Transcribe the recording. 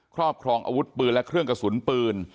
ครอบครองอาวุธปืนและเครื่องกระสุนปืน